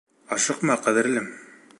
Ашыҡма, ҡәҙерлем.